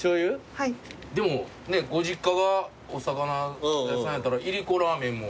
でもねご実家がお魚屋さんやったらいりこラーメンも。